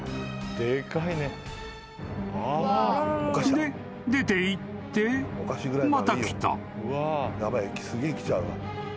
［で出ていってまた来た］